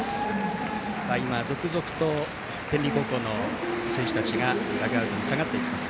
続々と天理高校の選手たちダグアウトに下がっていきます。